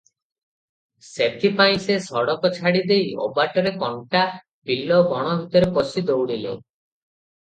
ସେଥିପାଇଁ ସେ ସଡ଼କ ଛାଡ଼ି ଦେଇ ଅବାଟରେ କଣ୍ଟା, ବିଲ, ବଣ ଭିତରେ ପଶି ଦଉଡ଼ିଲେ ।